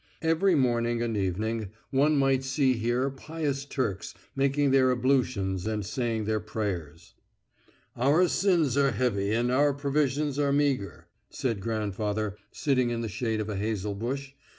Every morning and evening one might see here pious Turks making their ablutions and saying their prayers. "Our sins are heavy and our provisions are meagre," said grandfather, sitting in the shade of a hazel bush.